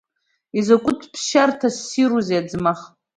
Изакәытә ԥсшьарҭа ссирузеи аӡмах!